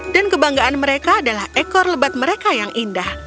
dan kebanggaan mereka adalah ekor lebat mereka yang indah